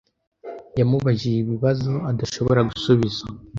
Yamubajije ibibazo adashobora gusubiza.